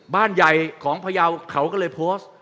บ้านใหญ่ของพยาวเขาก็เลยโพสต์